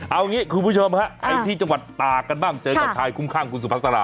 เอางี้คุณผู้ชมฮะไปที่จังหวัดตากกันบ้างเจอกับชายคุ้มข้างคุณสุภาษา